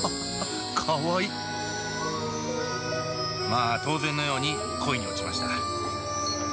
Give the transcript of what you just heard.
まあ当然のように恋に落ちました。